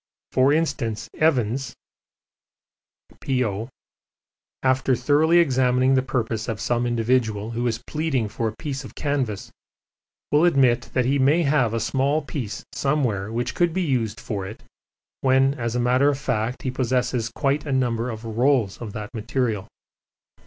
For instance, Evans (P.O.), after thoroughly examining the purpose of some individual who is pleading for a piece of canvas, will admit that he may have a small piece somewhere which could be used for it, when, as a matter of fact, he possesses quite a number of rolls of that material.